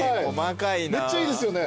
めっちゃいいですよね？